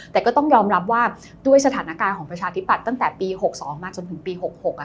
แต่ก็ต้องยอมรับว่าด้วยสถานการณ์ของประชาธิปัตย์ตั้งแต่ปี๖๒มาจนถึงปี๖๖